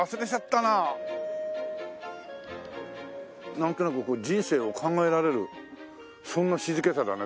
なんとなく人生を考えられるそんな静けさだね。